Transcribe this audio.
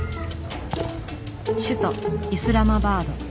首都イスラマバード。